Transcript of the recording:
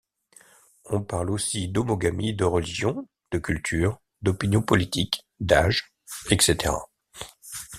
On parle aussi d'homogamie de religion, de culture, d'opinion politique, d'âge, etc.